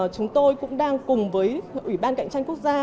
chúng tôi cũng đang cùng với ủy ban cạnh tranh quốc gia